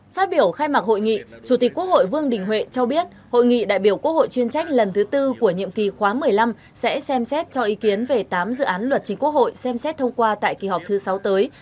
phát biểu khai mạc hội nghị chủ tịch quốc hội vương đình huệ cho biết hội nghị đại biểu quốc hội chuyên trách lần thứ tư của nhiệm kỳ khóa một mươi năm sẽ xem xét cho ý kiến về tám dự án luật chính quốc hội xem xét thông qua tại kỳ họp thứ sáu tới